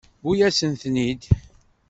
Tewwi-yasent-ten-id.